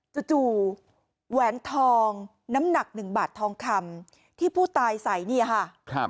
ส่วนตัววแหวนทองน้ำหนัก๑บาททองคำที่ผู้ตายใส่เนี่ยค่ะ